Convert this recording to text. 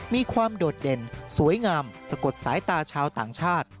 โดดเด่นสวยงามสะกดสายตาชาวต่างชาติ